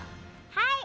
はい！